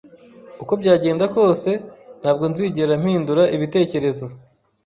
uko byagenda kose, ntabwo nzigera mpindura ibitekerezo